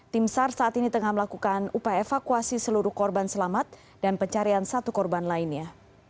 tim sar saat ini tengah melakukan upaya evakuasi seluruh korban selamat dan pencarian satu korban lainnya